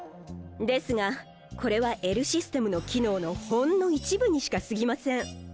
ですがこれはＬ・システムの機能のほんの一部にしかすぎません。